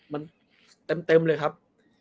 มันเป็นเต็มเลยครับ